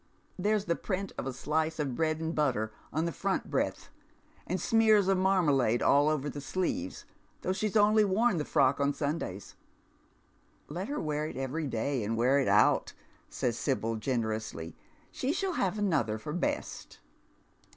There's the print of a slice of bread and butter on the front breadth, and smears of mamialade all over the sleeves, though she's only worn the frock on Sundays." *' Let her wear it every day and wear it out," says Sibyl, generously ; she shall have another for best."